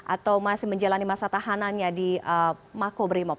atau masih menjalani masa tahanannya di mako brimob